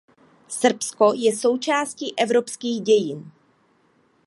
Srbsko je součástí evropských dějin.